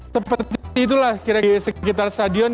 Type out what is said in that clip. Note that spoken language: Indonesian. seperti itulah sekitar stadion